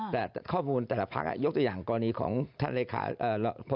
แต่ข้อมูลแต่ละภาคยกตัวอย่างกว้างนี้ของท่านวิทยาลัยขา